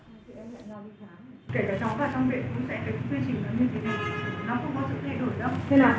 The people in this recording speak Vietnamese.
kể cả chóng vào trong bệnh cũng sẽ có quy trình như thế này nó không bao giờ thay đổi đâu